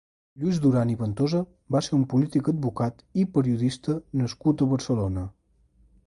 Lluís Duran i Ventosa va ser un polític, advocat i periodista nascut a Barcelona.